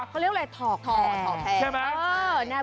เขาเรียกอะไรถอกแพร่